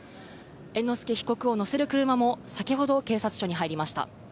猿之助被告を乗せる車も、先ほど警察署に入りました。